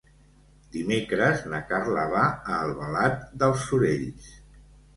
Dimecres na Carla va a Albalat dels Sorells.